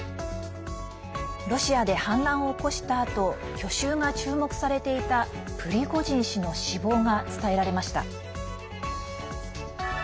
ロシアで反乱を起こしたあと去就が注目されていたプリゴジン氏の死亡が伝えられました。